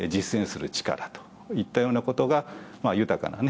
といったようなことが豊かなね